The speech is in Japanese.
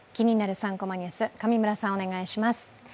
３コマニュース」、上村さん、お願いします。